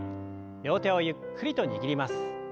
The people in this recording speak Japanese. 両手をゆっくりと握ります。